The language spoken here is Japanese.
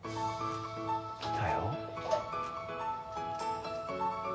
来たよ。